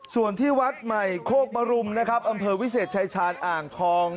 ส่วนที่วัดใหม่โคกมรุมนะครับอำเภอวิเศษชายชาญอ่างทอง